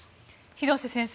広瀬先生